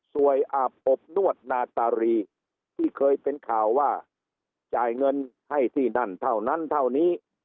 อาบอบนวดนาตารีที่เคยเป็นข่าวว่าจ่ายเงินให้ที่นั่นเท่านั้นเท่านี้